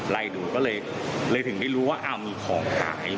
ไล่ดูก็เลยถึงได้รู้ว่าอ้าวมีของขาย